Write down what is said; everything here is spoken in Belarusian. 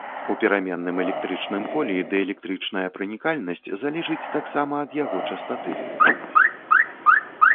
У пераменным электрычным полі дыэлектрычная пранікальнасць залежыць таксама ад яго частаты.